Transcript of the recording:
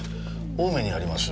青梅にあります